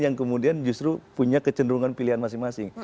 yang kemudian justru punya kecenderungan pilihan masing masing